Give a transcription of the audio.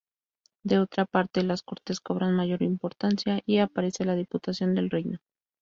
De otra parte, las Cortes cobran mayor importancia y aparece la Diputación del Reino.